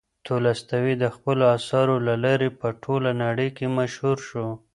تولستوی د خپلو اثارو له لارې په ټوله نړۍ کې مشهور شو.